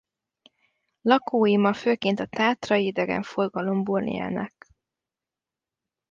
Lakói ma főként a tátrai idegenforgalomból élnek.